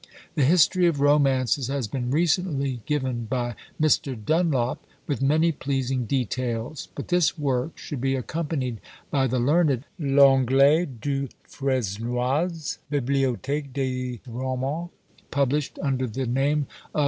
The history of romances has been recently given by Mr. Dunlop, with many pleasing details; but this work should be accompanied by the learned Lenglet du Fresnoy's "Bibliothèque des Romans," published under the name of M.